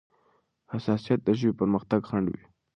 حساسيت د ژبې پرمختګ خنډ دی.